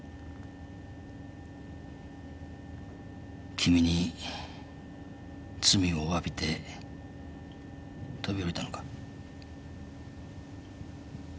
君に罪をわびて飛び降りたのか？